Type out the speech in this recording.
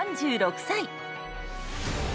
３６歳。